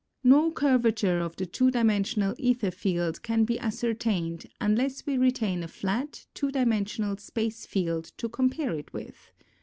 No curvature of the two dimensional aether field can be ascertained unless we retain a flat two dimensional space field to compare it with.